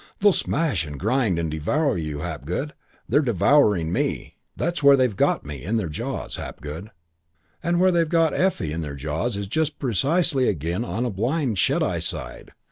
They'll smash and grind and devour you, Hapgood. They're devouring me. "'That's where they've got me in their jaws, Hapgood; and where they've got Effie in their jaws is just precisely again on a blind, shut eye side....